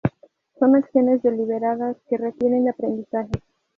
Son acciones deliberadas que requieren de aprendizaje.